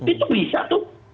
itu bisa tuh